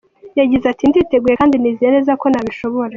Yagize ati “Nditeguye kandi nizeye neza ko nabishobora.